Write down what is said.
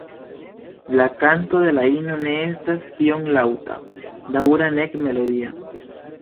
La kanto de la ino ne estas tiom laŭta, daŭra nek melodia.